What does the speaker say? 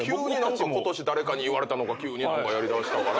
ことし誰かに言われたのか急に何かやりだしたから。